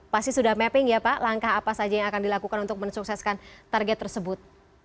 pasti sudah mapping ya pak langkah apa saja yang akan dilakukan untuk mensukseskan target tersebut